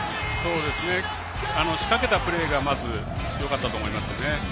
仕掛けたプレーがよかったと思いますね。